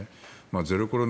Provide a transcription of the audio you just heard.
ゼロコロナ